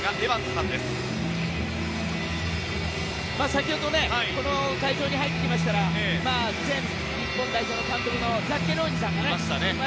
先ほど会場に入ってきましたら以前、日本代表監督のザッケローニさんがいましたね。